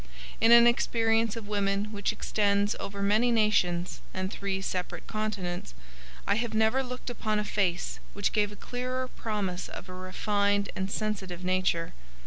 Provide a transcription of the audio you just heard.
In an experience of women which extends over many nations and three separate continents, I have never looked upon a face which gave a clearer promise of a refined and sensitive nature.